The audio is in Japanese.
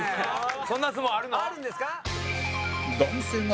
そんな相撲あるの？